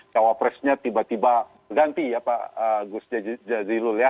coba ganti ya pak gus jazilul